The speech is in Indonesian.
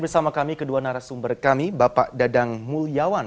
bersama kami kedua narasumber kami bapak dadang mulyawan